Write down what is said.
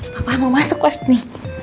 papa mau masuk pasti